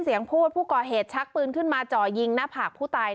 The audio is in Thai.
เสียงพูดผู้ก่อเหตุชักปืนขึ้นมาจ่อยิงหน้าผากผู้ตาย